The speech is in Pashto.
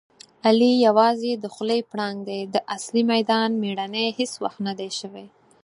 علي یووازې د خولې پړانګ دی. د اصلي میدان مېړنی هېڅ وخت ندی شوی.